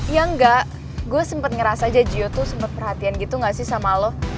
ya enggak gue sempat ngerasa aja jio tuh sempat perhatian gitu gak sih sama lo